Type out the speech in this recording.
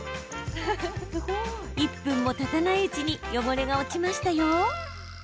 １分もたたないうちに汚れが落ちましたよ。